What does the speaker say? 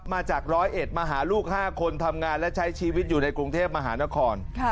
มาจากร้อยเอ็ดมาหาลูก๕คนทำงานและใช้ชีวิตอยู่ในกรุงเทพมหานคร